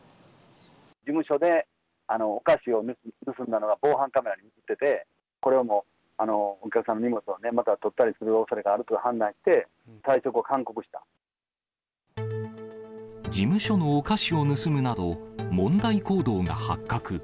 事務所でお菓子を盗んだのが防犯カメラに写ってて、これはもう、お客さんの荷物をね、またとったりするおそれがあるという判断し事務所のお菓子を盗むなど、問題行動が発覚。